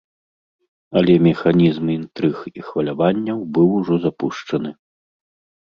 Але механізм інтрыг і хваляванняў быў ужо запушчаны.